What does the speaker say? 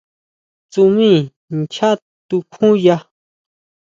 ¿Tsujmí schá tukjuya?